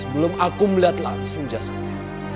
sebelum aku melihat langsung jasadnya